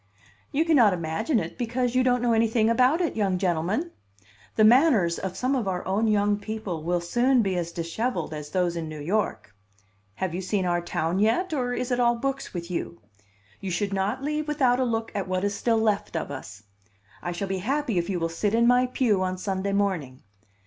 "You cannot imagine it because you don't know anything about it, young gentleman! The manners of some of our own young people will soon be as dishevelled as those in New York. Have you seen our town yet, or is it all books with you? You should not leave without a look at what is still left of us. I shall be happy if you will sit in my pew on Sunday morning.